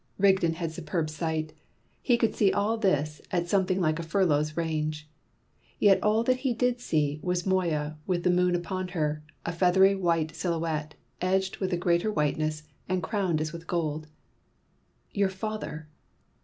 Rigden had superb sight. He could see all this at something like a furlong's range. Yet all that he did see was Moya with the moon upon her, a feathery and white silhouette, edged with a greater whiteness, and crowned as with gold. "Your father!"